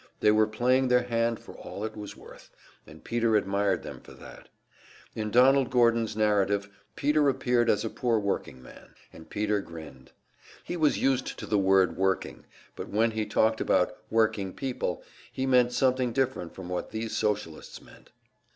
They were playing their hand for all it was worth and Peter admired them for that. In Donald Gordon's narrative Peter appeared as a poor workingman; and Peter grinned. He was used to the word "working," but when he talked about "working people," he meant something different from what these Socialists meant.